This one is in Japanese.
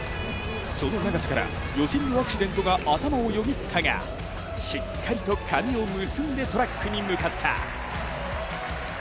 その長さから予選のアクシデントが頭をよぎったがしっかりと髪を結んでトラックに向かった。